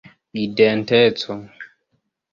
identeco